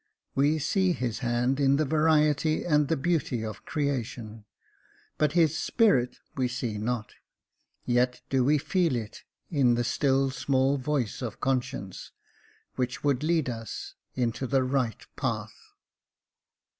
We see his hand in the variety and the beauty of creation, but his Spirit we see not ; yet do we Jacob Faithful 1^1 feel it in the still small voice of conscience, which would lead us into the right path.